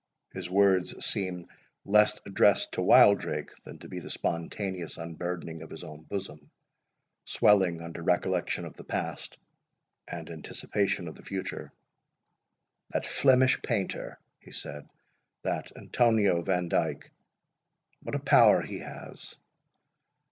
His words seemed less addressed to Wildrake, than to be the spontaneous unburdening of his own bosom, swelling under recollection of the past and anticipation of the future. "That Flemish painter" he said—"that Antonio Vandyck—what a power he has!